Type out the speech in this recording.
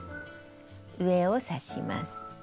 上を刺します。